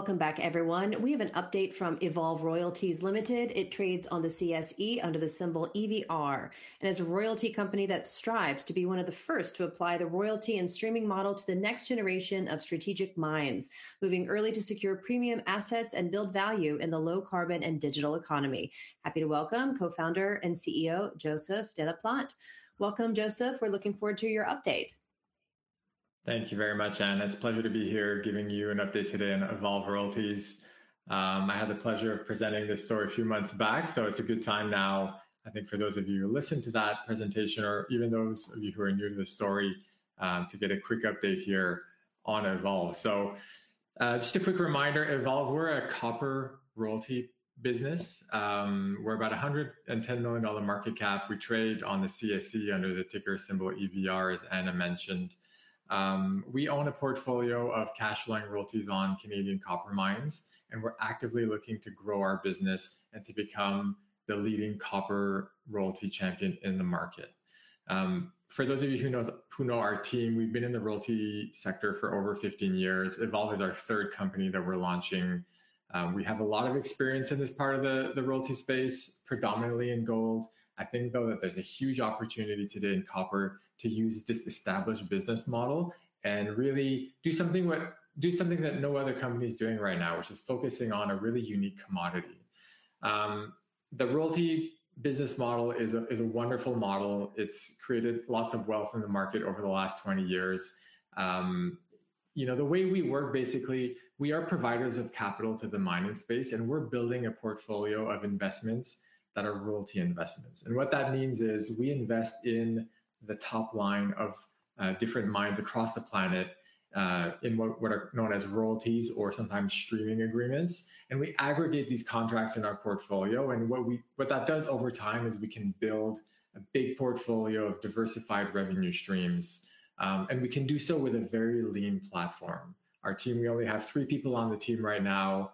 Welcome back, everyone. We have an update from Evolve Royalties Limited. It trades on the CSE under the symbol EVR, and is a Royalty company that strives to be one of the first to apply the Royalty and streaming model to the next generation of strategic mines, moving early to secure premium assets and build value in the low carbon and digital economy. Happy to welcome co-founder and CEO, Joseph de la Plante. Welcome, Joseph. We're looking forward to your update. Thank you very much, Anna. It's a pleasure to be here giving you an update today on Evolve Royalties. I had the pleasure of presenting this story a few months back, so it's a good time now, I think for those of you who listened to that presentation or even those of you who are new to the story, to get a quick update here on Evolve. Just a quick reminder, Evolve, we're a copper Royalty business. We're about a 110 million dollar market cap. We trade on the CSE under the ticker symbol EVR, as Anna mentioned. We own a portfolio of cash flowing Royalties on Canadian copper mines, and we're actively looking to grow our business and to become the leading copper Royalty champion in the market. For those of you who know our team, we've been in the Royalty sector for over 15 years. Evolve is our third company that we're launching. We have a lot of experience in this part of the Royalty space, predominantly in gold. I think, though, that there's a huge opportunity today in copper to use this established business model and really do something that no other company is doing right now, which is focusing on a really unique commodity. The Royalty business model is a, is a wonderful model. It's created lots of wealth in the market over the last 20 years. You know, the way we work, basically, we are providers of capital to the mining space, and we're building a portfolio of investments that are Royalty investments. What that means is we invest in the top line of different mines across the planet, in what are known as Royalties or sometimes streaming agreements. We aggregate these contracts in our portfolio, and what that does over time is we can build a big portfolio of diversified revenue streams, and we can do so with a very lean platform. Our team, we only have three people on the team right now.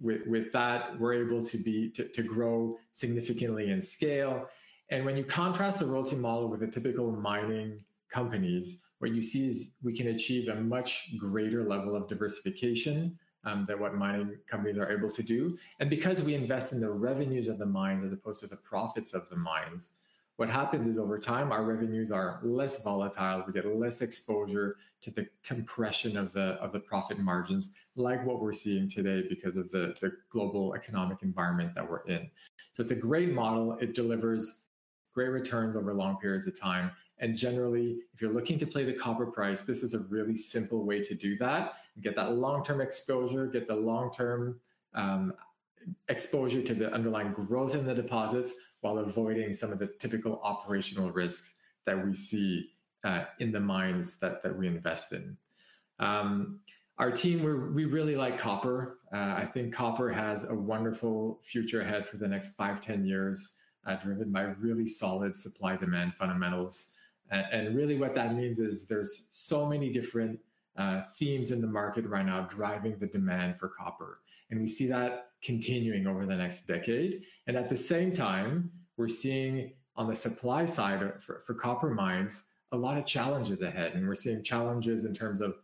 With that, we're able to grow significantly in scale. When you contrast the Royalty model with the typical mining companies, what you see is we can achieve a much greater level of diversification than what mining companies are able to do. Because we invest in the revenues of the mines as opposed to the profits of the mines, what happens, over time, our revenues are less volatile. We get less exposure to the compression of the profit margins, like what we're seeing today because of the global economic environment that we're in. It's a great model. It delivers great returns over long periods of time. Generally, if you're looking to play the copper price, this is a really simple way to do that and get that long-term exposure, get the long-term exposure to the underlying growth in the deposits while avoiding some of the typical operational risks that we see in the mines that we invest in. Our team, we really like copper. I think copper has a wonderful future ahead for the next five, 10 years, driven by really solid supply-demand fundamentals. Really what that means is there's so many different themes in the market right now driving the demand for copper, and we see that continuing over the next decade. At the same time, we're seeing on the supply side for copper mines, a lot of challenges ahead. We're seeing challenges in terms of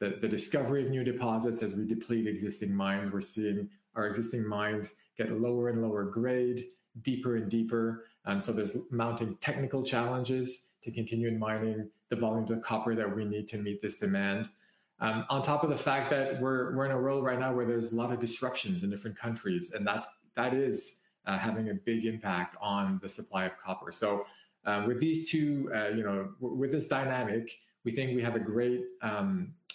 the discovery of new deposits as we deplete existing mines. We're seeing our existing mines get lower and lower grade, deeper and deeper. There's mounting technical challenges to continue mining the volumes of copper that we need to meet this demand. On top of the fact that we're in a world right now where there's a lot of disruptions in different countries, and that is having a big impact on the supply of copper. With these two, you know, with this dynamic, we think we have a great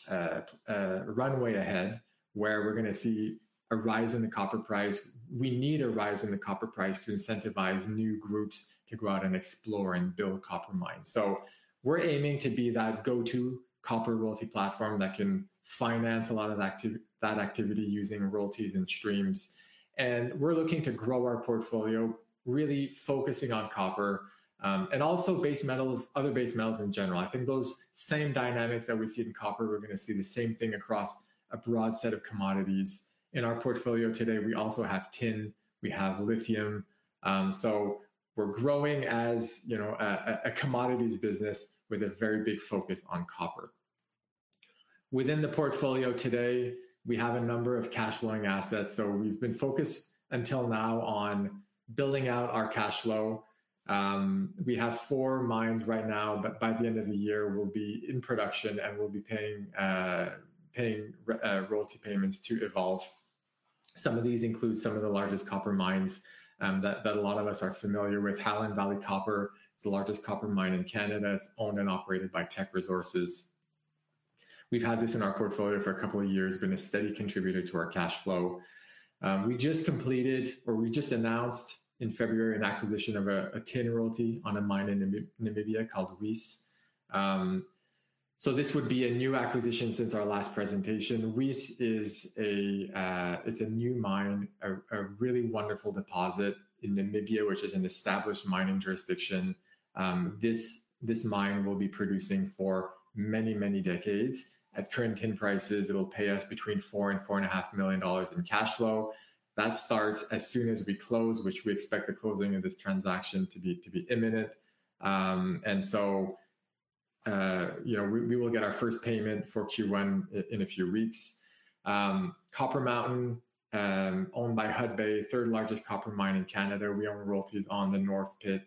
runway ahead where we're gonna see a rise in the copper price. We need a rise in the copper price to incentivize new groups to go out and explore and build copper mines. We're aiming to be that go-to copper Royalty platform that can finance a lot of that activity using Royalties and streams. We're looking to grow our portfolio, really focusing on copper, and also base metals, other base metals in general. I think those same dynamics that we see in copper, we're going to see the same thing across a broad set of commodities. In our portfolio today, we also have tin, we have lithium. We're growing as, you know, a commodities business with a very big focus on copper. Within the portfolio today, we have a number of cash flowing assets. We've been focused until now on building out our cash flow. We have four mines right now, by the end of the year, we'll be in production, and we'll be paying Royalty payments to Evolve. Some of these include some of the largest copper mines that a lot of us are familiar with. Highland Valley Copper is the largest copper mine in Canada. It's owned and operated by Teck Resources. We've had this in our portfolio for a couple of years, been a steady contributor to our cash flow. We just completed, or we just announced in February an acquisition of a tin Royalty on a mine in Namibia called Uis. This would be a new acquisition since our last presentation. Uis is a new mine, a really wonderful deposit in Namibia, which is an established mining jurisdiction. This mine will be producing for many, many decades. At current tin prices, it'll pay us between $4 million and $4.5 million in cash flow. That starts as soon as we close, which we expect the closing of this transaction to be imminent. You know, we will get our first payment for Q1 in a few weeks. Copper Mountain, owned by Hudbay, third largest copper mine in Canada. We own Royalties on the North Pit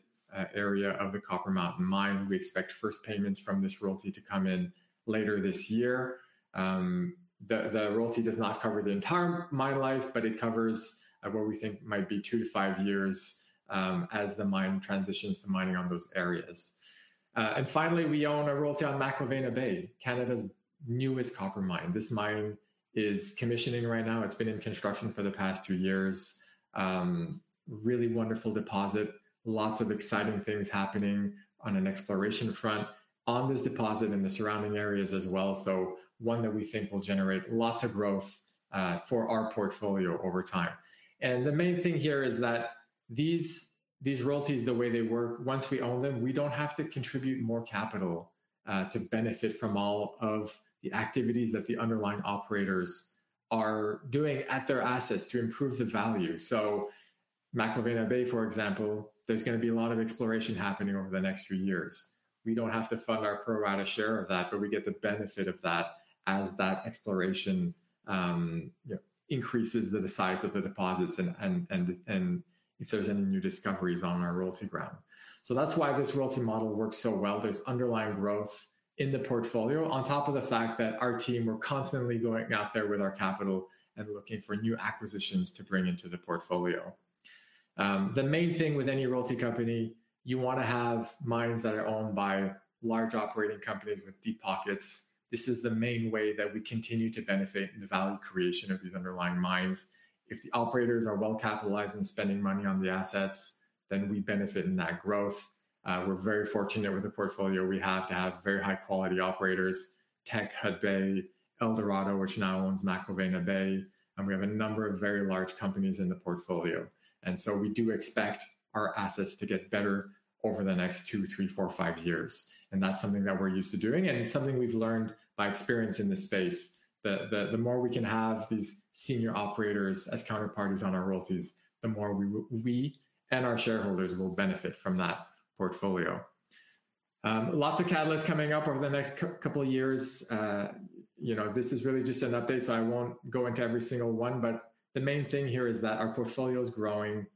area of the Copper Mountain mine. We expect first payments from this Royalty to come in later this year. The Royalty does not cover the entire mine life, it covers what we think might be two to five years as the mine transitions to mining on those areas. Finally, we own a Royalty on McIlvenna Bay, Canada's newest copper mine. This mine is commissioning right now. It's been in construction for the past years. Really wonderful deposit. Lots of exciting things happening on an exploration front on this deposit and the surrounding areas as well. One that we think will generate lots of growth for our portfolio over time. The main thing here is that these Royalties, the way they work, once we own them, we don't have to contribute more capital to benefit from all of the activities that the underlying operators are doing at their assets to improve the value. McIlvenna Bay, for example, there's going to be a lot of exploration happening over the next few years. We don't have to fund our pro rata share of that, but we get the benefit of that as that exploration, you know, increases the size of the deposits and if there's any new discoveries on our Royalty ground. That's why this Royalty model works so well. There's underlying growth in the portfolio on top of the fact that our team are constantly going out there with our capital and looking for new acquisitions to bring into the portfolio. The main thing with any Royalty company, you wanna have mines that are owned by large operating companies with deep pockets. This is the main way that we continue to benefit the value creation of these underlying mines. If the operators are well-capitalized and spending money on the assets, then we benefit in that growth. We're very fortunate with the portfolio we have to have very high-quality operators, Teck, Hudbay, Eldorado, which now owns McIlvenna Bay, and we have a number of very large companies in the portfolio. We do expect our assets to get better over the next two, three, four, five years, and that's something that we're used to doing and it's something we've learned by experience in this space, that the more we can have these senior operators as counterparties on our Royalties, the more we and our shareholders will benefit from that portfolio. Lots of catalysts coming up over the next couple of years. You know, this is really just an update, so I won't go into every single one, but the main thing here is that our portfolio is growing.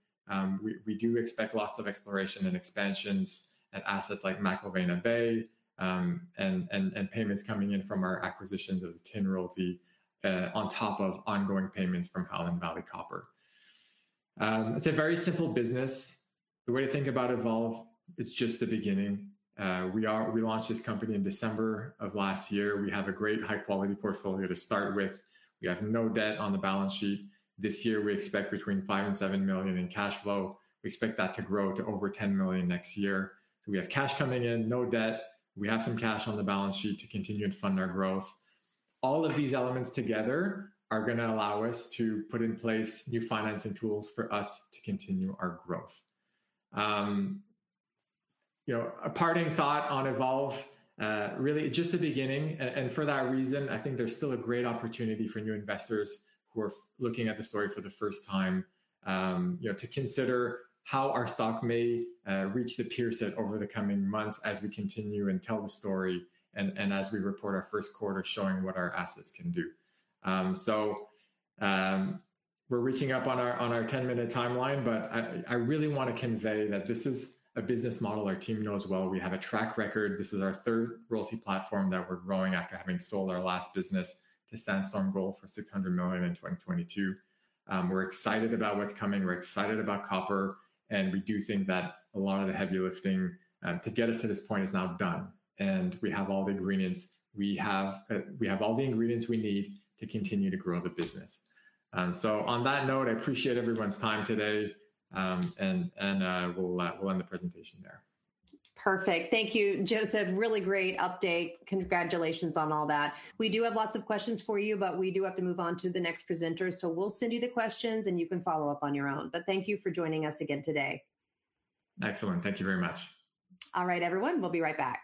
We do expect lots of exploration and expansions at assets like McIlvenna Bay, and payments coming in from our acquisitions of the Tin Royalty, on top of ongoing payments from Highland Valley Copper. It's a very simple business. The way to think about Evolve, it's just the beginning. We launched this company in December of last year. We have a great high-quality portfolio to start with. We have no debt on the balance sheet. This year, we expect between $5 million and $7 million in cash flow. We expect that to grow to over $10 million next year. We have cash coming in, no debt. We have some cash on the balance sheet to continue to fund our growth. All of these elements together are gonna allow us to put in place new financing tools for us to continue our growth. You know, a parting thought on Evolve, really just the beginning and for that reason, I think there's still a great opportunity for new investors who are looking at the story for the first time, you know, to consider how our stock may reach the peer set over the coming months as we continue and tell the story and as we report our first quarter showing what our assets can do. We're reaching up on our 10-minute timeline, but I really wanna convey that this is a business model our team knows well. We have a track record. This is our third Royalty platform that we're growing after having sold our last business to Sandstorm Gold for 600 million in 2022. We're excited about what's coming. We're excited about copper, and we do think that a lot of the heavy lifting to get us to this point is now done, and we have all the ingredients we need to continue to grow the business. On that note, I appreciate everyone's time today, and we'll end the presentation there. Perfect. Thank you, Joseph. Really great update. Congratulations on all that. We do have lots of questions for you, but we do have to move on to the next presenter. We'll send you the questions, and you can follow up on your own. Thank you for joining us again today. Excellent. Thank you very much. All right, everyone, we'll be right back.